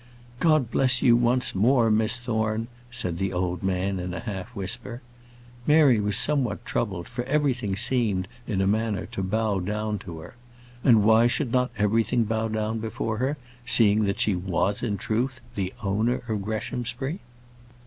"God bless you once more, Miss Thorne!" said the old man, in a half whisper. Mary was somewhat troubled, for everything seemed, in a manner, to bow down before her. And why should not everything bow down before her, seeing that she was in truth the owner of Greshamsbury?